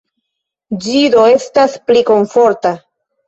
Ĝi do estas pli komforta.